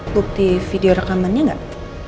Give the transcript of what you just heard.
bukti video rekamannya gak